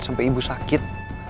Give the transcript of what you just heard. sampai ibu sakit